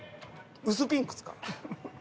薄ピンクですか？